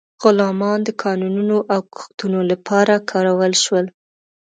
غلامان د کانونو او کښتونو لپاره کارول شول.